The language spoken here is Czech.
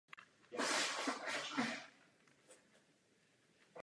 To bezpečnosti nepomůže.